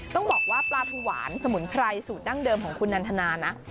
ต้องบอกว่าปลาทูหวานสมุนไพรสูตรดั้งเดิมของคุณนันทนานะ